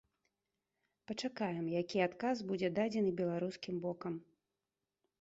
Пачакаем, які адказ будзе дадзены беларускім бокам.